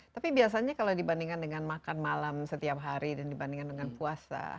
tapi biasanya kalau dibandingkan dengan makan malam setiap hari dan dibandingkan dengan puasa